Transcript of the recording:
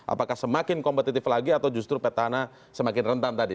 apakah semakin kompetitif lagi atau justru petahana semakin rentan tadi